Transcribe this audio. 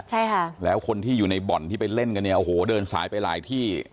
ใช่ค่ะแล้วคนที่อยู่ในบ่อนที่ไปเล่นกันเนี่ยโอ้โหเดินสายไปหลายที่